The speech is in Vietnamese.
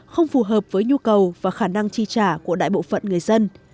không phù hợp với nhu cầu và khả năng chi trả của đại bộ phận người dân